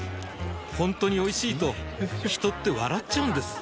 ほんとにおいしいと人って笑っちゃうんです